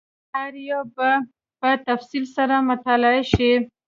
هر یو به په تفصیل سره مطالعه شي.